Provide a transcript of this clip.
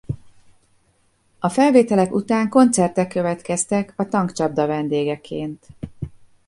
A felvételek után koncertek következtek a Tankcsapda vendégeként.